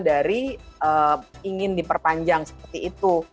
dari ingin diperpanjang seperti itu